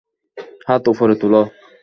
হাত উপরে তোল।